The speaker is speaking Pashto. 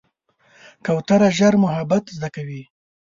کوتره ژر محبت زده کوي.